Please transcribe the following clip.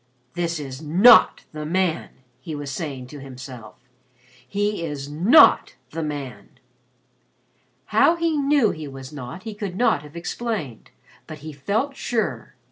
"That is not the man!" he was saying to himself. "He is not the man." How he knew he was not, he could not have explained, but he felt sure.